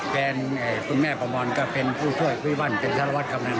แผนคุณแม่ประมวลก็เป็นผู้ช่วยคุยบ้านเป็นศาลวัฒน์คำนั้น